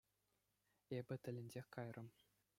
Эпӗ тӗлӗнсех кайрӑм.